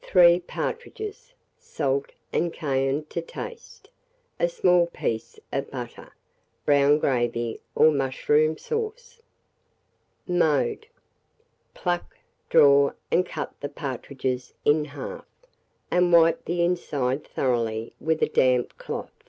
3 partridges, salt and cayenne to taste, a small piece of butter, brown gravy or mushroom sauce. Mode. Pluck, draw, and cut the partridges in half, and wipe the inside thoroughly with a damp cloth.